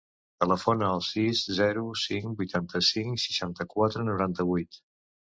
Telefona al sis, zero, cinc, vuitanta-cinc, seixanta-quatre, noranta-vuit.